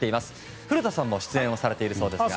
古田さんも出演されているそうですが。